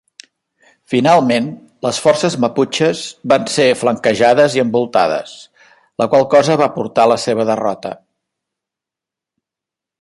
Finalment, les forces maputxes van ser flanquejades i envoltades, la qual cosa va portar a la seva derrota.